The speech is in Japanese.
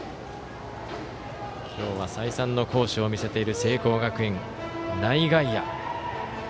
今日は再三の好守を見せている聖光学院の内外野。